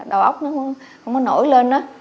đầu óc nó không có nổi lên